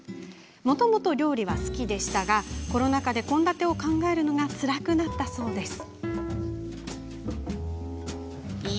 もともと料理は好きでしたがコロナ禍で、献立を考えるのがつらくなったそうです。